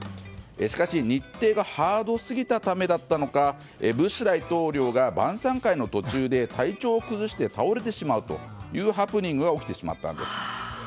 しかし日程がハードすぎたためだったのかブッシュ大統領が晩さん会の途中で体調を崩して倒れてしまうというハプニングが起きてしまったんです。